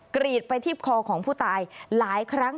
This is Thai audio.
กรีดไปที่คอของผู้ตายหลายครั้ง